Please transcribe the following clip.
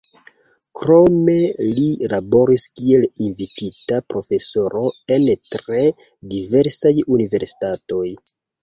Krome li laboris kiel invitita profesoro en tre diversaj universitatoj.